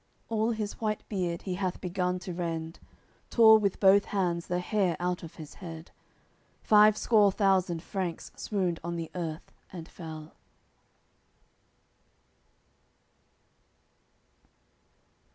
All his white beard he hath begun to rend, Tore with both hands the hair out of his head. Five score thousand Franks swooned on the earth and fell.